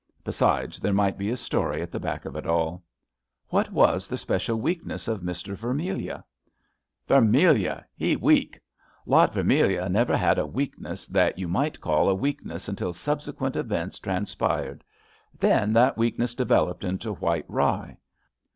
Besides, there might be a story at the back of it all. What was the special weakness of Mister Vermilyea? "^^ Vermilyea ! He weak ! Lot Vermilyea never had a weakness that you might call a weakness until subsequent events transpired. Then that THE SHADOW OF HIS HAND 39 weakness developed into White Rye.